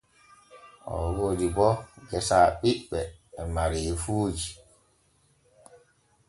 Oo woodi bo gesa ɓiɓɓe e mareefuuji.